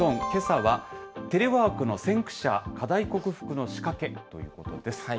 けさは、テレワークの先駆者、課題克服の仕掛けということです。